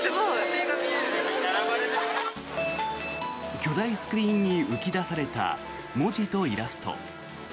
巨大スクリーンに浮き出された文字とイラスト。